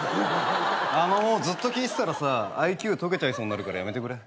あのずっと聞いてたらさＩＱとけちゃいそうになるからやめてくれ。